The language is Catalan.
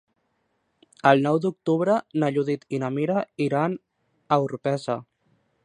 El nou d'octubre na Judit i na Mira iran a Orpesa.